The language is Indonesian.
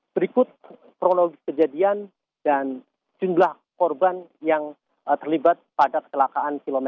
berikut kronologi kejadian dan jumlah korban yang terlibat pada kecelakaan km lima puluh delapan